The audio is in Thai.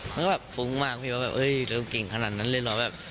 มันก็แบบฟุ้งมากพี่ว่าแบบเอ้ยรู้จักกินขนาดนั้นเลย